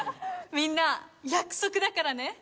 みんな約束だからね。